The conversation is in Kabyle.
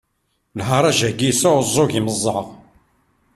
Lharaǧ-agi yesɛuẓẓug imeẓaɣ.